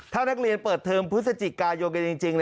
ถ้านักเรียนเปิดเทอมพฤศจิกายนกันจริง